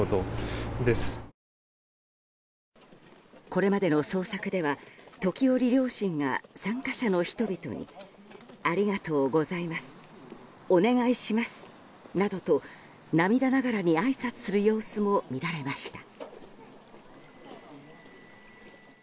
これまでの捜索では時折、両親が参加者の人々にありがとうございますお願いしますなどと涙ながらにあいさつする様子も見られました。